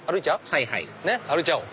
はいはい歩いちゃおう！